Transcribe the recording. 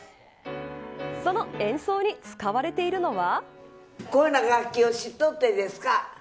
その演奏に使われているのは。